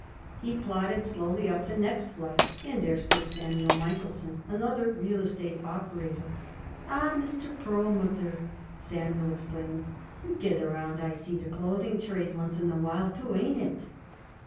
He plodded slowly up the next flight, and there stood Samuel Michaelson, another real estate operator. "Ah, Mr. Perlmutter!" Samuel exclaimed. "You get around to see the clothing trade once in a while, too. Ain't it?"